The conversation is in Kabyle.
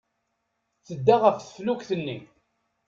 Tedda ɣef teflukt-nni.